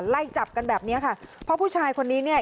ไล่จับกันแบบเนี้ยค่ะเพราะผู้ชายคนนี้เนี่ย